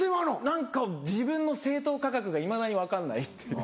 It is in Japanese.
何か自分の正当価格がいまだに分かんないっていう。